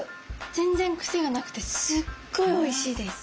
全然くせがなくてすっごいおいしいです。